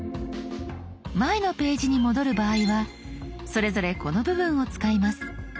前のページに戻る場合はそれぞれこの部分を使います。